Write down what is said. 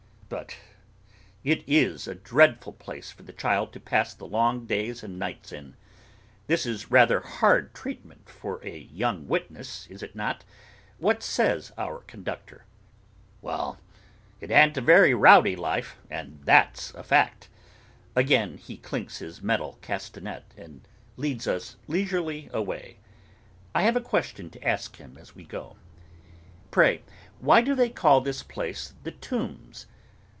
But it is a dreadful place for the child to pass the long days and nights in. This is rather hard treatment for a young witness, is it not?—What says our conductor? 'Well, it an't a very rowdy life, and that's a fact!' Again he clinks his metal castanet, and leads us leisurely away. I have a question to ask him as we go. 'Pray, why do they call this place The Tombs?